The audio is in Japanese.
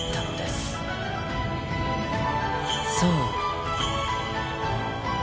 ［そう］